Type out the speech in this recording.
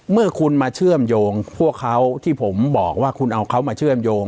เมื่อคุณมาเชื่อมโยงพวกเขาที่ผมบอกว่าคุณเอาเขามาเชื่อมโยง